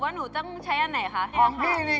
ไม่รู้สาวให้ขาดให้กู